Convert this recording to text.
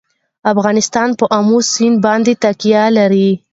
افغانستان په آمو سیند باندې تکیه لري.